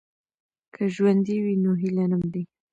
که ژوند وي نو هیله نه مري.